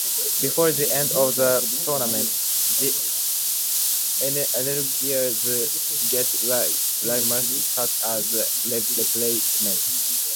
Before the end of the tournament, the Energizers get Raymund Tutt as replacement.